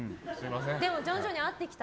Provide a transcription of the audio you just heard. でも徐々に合ってきた。